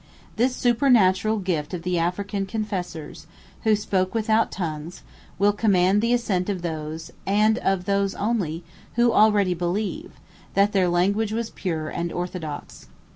This supernatural gift of the African confessors, who spoke without tongues, will command the assent of those, and of those only, who already believe, that their language was pure and orthodox.